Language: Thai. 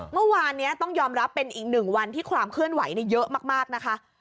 เมื่อวานนี้ต้องยอมรับเป็นอีกหนึ่งวันที่ความเคลื่อนไหวเยอะมากนะคะ